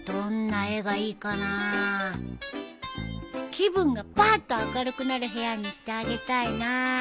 気分がパッと明るくなる部屋にしてあげたいなあ。